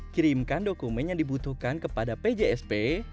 kirimkan dokumen yang dibutuhkan kepada pjsp